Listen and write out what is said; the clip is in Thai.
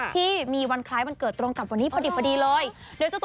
ที่มีวันคล้ายวันเกิดตรงกับวันนี้พอดีเลย